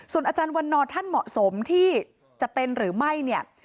ส่วนอาจารย์วันนอนท่านเหมาะสมที่จะเป็นหรือไม่